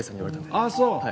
あっそう。